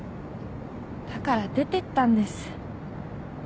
だから出てったんです。